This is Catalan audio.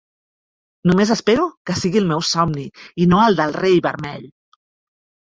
Només espero que sigui el meu somni, i no el del Rei Vermell!